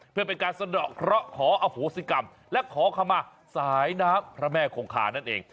เพื่อเป็นการสะดอกเคราะห์ขออโหสิกรรมและขอคำมาสายน้ำพระแม่คงคานั่นเอง